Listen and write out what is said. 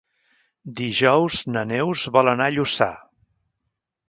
Dijous na Neus vol anar a Lluçà.